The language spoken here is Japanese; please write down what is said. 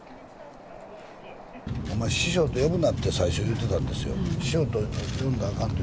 お前、師匠って呼ぶなって最初言ってたんですよ、師匠って呼んだらあかんって。